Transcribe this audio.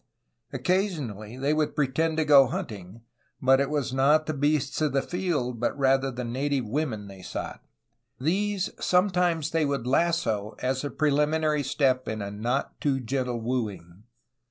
Occasionally they would pretend to go hunting, but it was not the beasts of the field but rather the native women they sought. These sometimes they would lasso as the prelimin ary step in a not too gentle wooing.